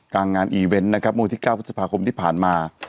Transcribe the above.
การงานอีเวนต์ในวันที่๙พัฒนภาคมที่ผ่านมา